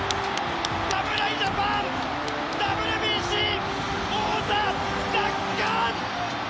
侍ジャパン、ＷＢＣ王座奪還！